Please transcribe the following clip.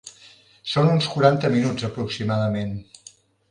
Són uns quaranta minuts aproximadament.